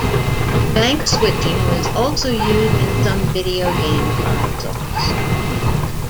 Bank switching was also used in some video game consoles.